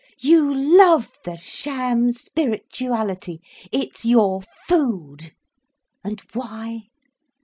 You love the sham spirituality, it's your food. And why?